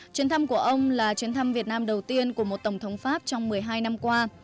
chuyến thăm của ông là chuyến thăm việt nam đầu tiên của một tổng thống pháp trong một mươi hai năm qua